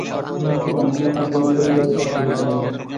Miss Divine, আমি আপনাকে অনুশীলন জারি রাখতে দিতে পারি না।